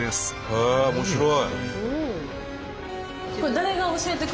へえ面白い。